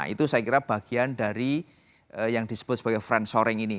itu saya kira bagian dari yang disebut sebagai frans shoring ini